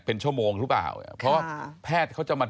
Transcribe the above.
เป็นชั่วโมงหรือเปล่าเพราะว่าแพทย์เขาจะมา